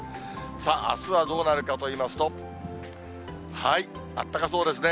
あすはどうなるかといいますと、あったかそうですね。